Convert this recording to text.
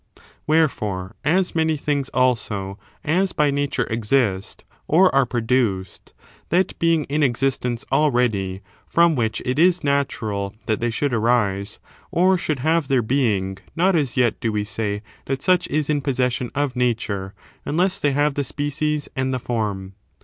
Wherefore, as many things, also, as by Nature exist or are produced, that being in existence already &om which it is natural that they should arise, or should have their being, *. not as yet do we say that such is in possession of Nature, unless they have the species and the form.